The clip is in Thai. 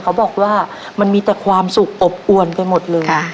เขาบอกว่ามันมีแต่ความสุขอบอวนไปหมดเลย